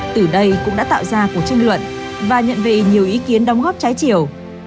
từ đây cũng đã tạo ra cuộc tranh luận và nhận về nhiều ý kiến đóng góp trái chiều